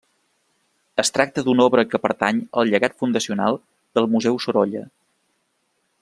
Es tracta d'una obra que pertany al llegat fundacional del Museu Sorolla.